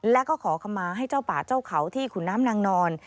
แล้วก็ขอคำมาให้เจ้าป่าเจ้าเขาที่ขุนน้ำนางนอน